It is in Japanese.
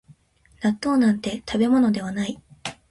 納豆なんて食べ物ではない